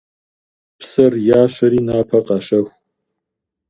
Псэр ящэри напэ къащэху.